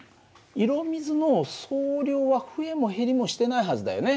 色水の総量は増えも減りもしてないはずだよね。